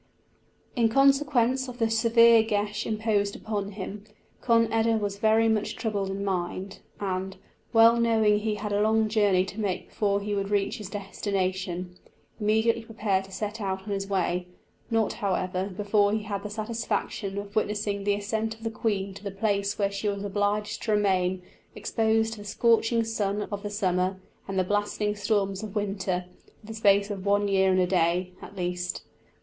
In consequence of the severe geis imposed upon him, Conn eda was very much troubled in mind; and, well knowing he had a long journey to make before he would reach his destination, immediately prepared to set out on his way, not, however, before he had the satisfaction of witnessing the ascent of the queen to the place where she was obliged to remain exposed to the scorching sun of the summer and the blasting storms of winter, for the space of one year and a day, at least.